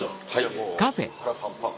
もう腹パンパン。